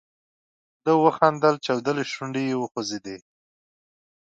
ده وخندل، چاودلې شونډې یې وخوځېدې.